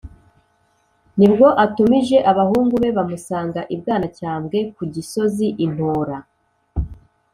ni bwo atumije abahungu be bamusanga i bwanacyambwe ku gisozi (i ntora).